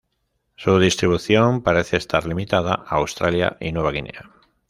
Su distribución parece estar limitada a Australia y Nueva Guinea.